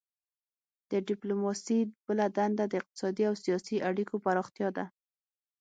د ډیپلوماسي بله دنده د اقتصادي او سیاسي اړیکو پراختیا ده